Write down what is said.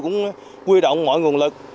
cũng quy động mọi nguồn lực